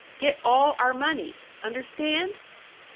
Get all our money. Understand?"